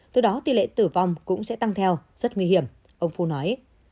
từ đó tỷ lệ tử vong cũng sẽ tăng theo rất nguy hiểm ông phu nói